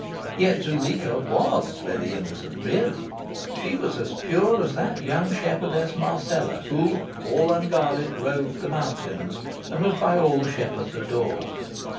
Yet Zuleika WAS very innocent, really. She was as pure as that young shepherdess Marcella, who, all unguarded, roved the mountains and was by all the shepherds adored.